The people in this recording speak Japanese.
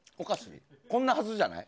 こんなはずじゃない。